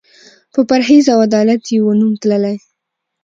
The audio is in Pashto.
په پرهېز او عدالت یې وو نوم تللی